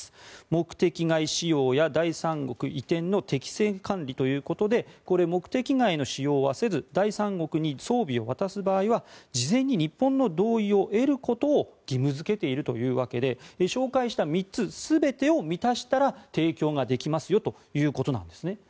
目的外使用や第三国移転の適正管理ということでこれ、目的外の使用はせず第三国に装備を渡す場合は事前に日本の同意を得ることを義務付けているというわけで紹介した３つ全てを満たしたら提供ができますよということなんですね。